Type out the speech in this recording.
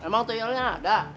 emang tutuyulnya ada